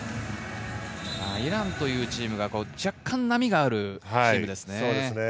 イランというチームは若干、波があるチームですね。